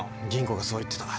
吟子がそう言ってた。